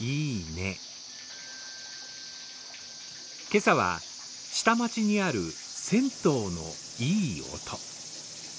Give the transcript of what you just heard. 今朝は下町にある銭湯のいい音。